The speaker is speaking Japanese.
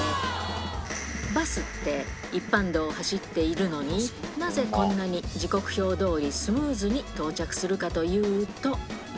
バスって一般道を走っているのに、なぜこんなに時刻表どおりスムーズに到着するかというと。